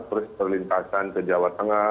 terus perlintasan ke jawa tengah